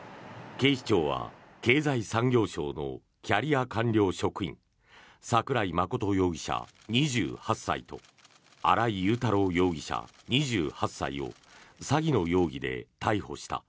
警視庁は経済産業省のキャリア官僚職員桜井真容疑者、２８歳と新井雄太郎容疑者、２８歳を詐欺の容疑で逮捕した。